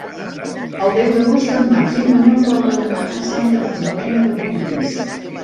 El deu d'agost en Max i en Manel volen anar a Santa Magdalena de Polpís.